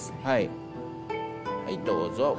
はいどうぞ。